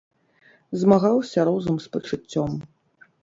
Змагаўся розум з пачуццём.